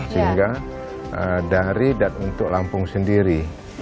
sehingga dari dan untuk lampung sendiri